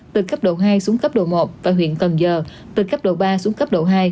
từ cấp độ hai xuống cấp độ một tại huyện cần giờ từ cấp độ ba xuống cấp độ hai